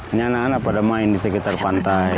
ini anak anak pada main di sekitar pantai